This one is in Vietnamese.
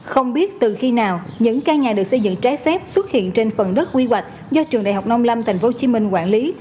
không biết từ khi nào những căn nhà được xây dựng trái phép xuất hiện trên phần đất quy hoạch do trường đại học nông lâm tp hcm quản lý